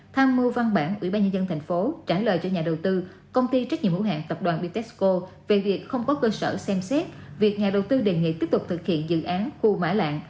tham mưu văn bản ủy ban nhân dân thành phố trả lời cho nhà đầu tư công ty trách nhiệm hữu hạng tập đoàn bitexco về việc không có cơ sở xem xét việc nhà đầu tư đề nghị tiếp tục thực hiện dự án khu mã lạng